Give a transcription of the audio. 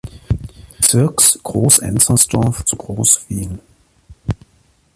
Bezirks Groß-Enzersdorf zu Groß-Wien.